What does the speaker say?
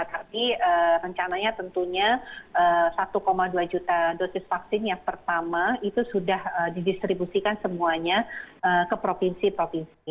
tapi rencananya tentunya satu dua juta dosis vaksin yang pertama itu sudah didistribusikan semuanya ke provinsi provinsi